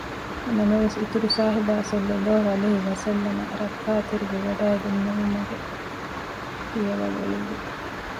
ނަމަވެސް އިތުރުސާހިބާ ޞައްލަﷲ ޢަލައިހި ވަސައްލަމަ ރައްކާތެރިވެވަޑައިގެންނެވުމުގެ ފިޔަވަޅު އެޅުއްވި